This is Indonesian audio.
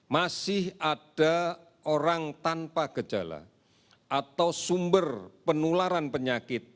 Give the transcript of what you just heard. masih ada orang tanpa gejala atau sumber penularan penyakit